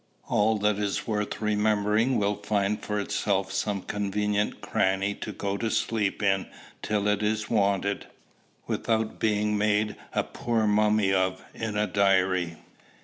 "All that is worth remembering will find for itself some convenient cranny to go to sleep in till it is wanted, without being made a poor mummy of in a diary."